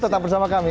tetap bersama kami